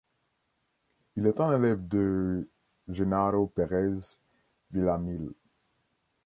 Il est un élève de Jenaro Pérez Villaamil.